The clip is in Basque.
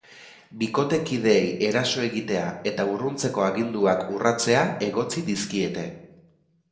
Bikotekideei eraso egitea eta urruntzeko aginduak urratzea egotzi dizkiete.